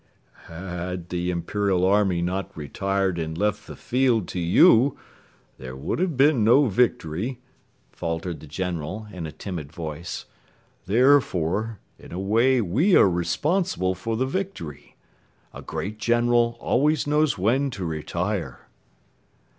"Had the Imperial Army not retired and left the field to you, there would have been no victory," faltered the General in a timid voice. "Therefore, in a way we are responsible for the victory. A great general always knows when to retire."